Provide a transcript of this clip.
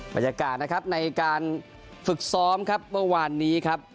บรรยากาศนะครับในการฝึกซ้อมครับเมื่อวานนี้ครับ